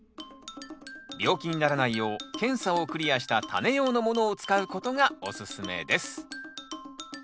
病気にならないよう検査をクリアしたタネ用のものを使うことがおすすめです。